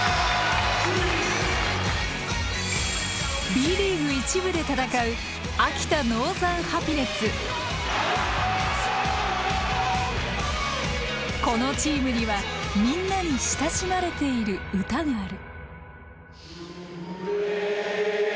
Ｂリーグ１部で戦うこのチームにはみんなに親しまれている歌がある。